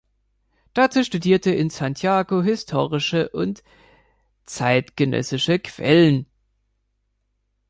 Dazu studierte in Santiago historische und zeitgenössische Quellen.